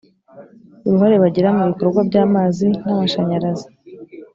uruhare bagira mu bikorwa by amazi n amashanyarazi